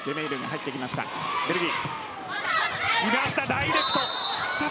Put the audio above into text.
ダイレクト。